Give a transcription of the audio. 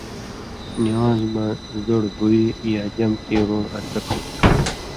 نِوان٘ز مہ زوڑ بوئ یا جم کیرُوں اڅھک ہُوئ تھُو۔